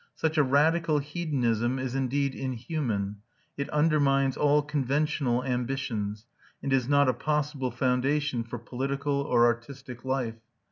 Such a radical hedonism is indeed inhuman; it undermines all conventional ambitions, and is not a possible foundation for political or artistic life.